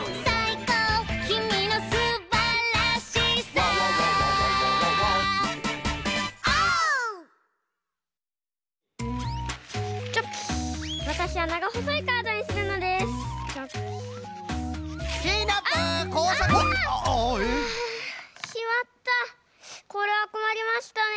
これはこまりましたね。